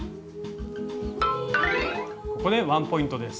ここでワンポイントです。